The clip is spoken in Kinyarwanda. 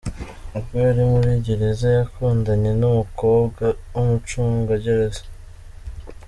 Ubwo yari muri gereza ,yakundanye n’umukobwa w’umucungagereza .